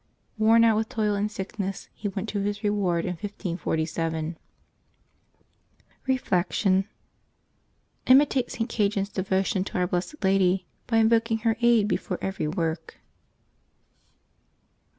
Worn out with toil and sickness, he went to his reward in 1547. Reflection. — Imitate St. Cajetan's devotion to our blessed Lady, by invoking her aid before every work.